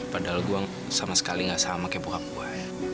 padahal gue sama sekali gak sama kayak bokap gue